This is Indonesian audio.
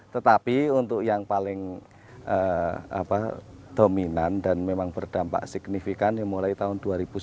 tetapi untuk yang paling dominan dan memang berdampak signifikan yang mulai tahun dua ribu sepuluh